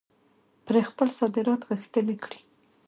پرې خپل صادرات غښتلي کړي.